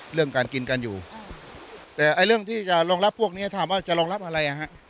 เรื่องการกินกันอยู่แต่เรื่องที่จะรองรับพวกเนี้ยถามว่าจะรองรับอะไรอ่ะฮะ